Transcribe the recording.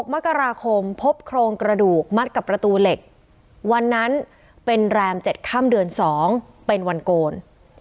มกราคมพบโครงกระดูกมัดกับประตูเหล็กวันนั้นเป็นแรม๗ค่ำเดือน๒เป็นวันโกน